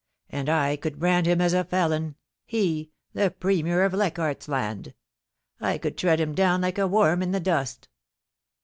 ... And I could brand him as a felon — he, the Premier of Leichardt's Land. I could tread him down like a worm in the dust